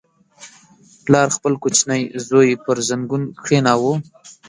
• پلار خپل کوچنی زوی پر زنګون کښېناوه.